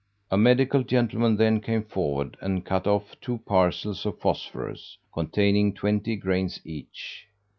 A medical gentleman then came forward and cut off two parcels of phosphorus, containing twenty grains each.